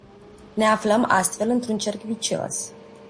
Ne aflăm astfel într-un cerc vicios.